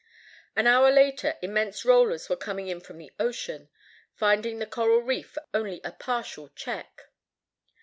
An hour later immense rollers were coming in from the ocean, finding the coral reef only a partial check.